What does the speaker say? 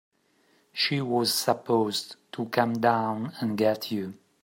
She was supposed to come down and get you.